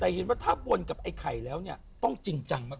แต่เห็นว่าถ้าบนกับไอ้ไข่แล้วเนี่ยต้องจริงจังมาก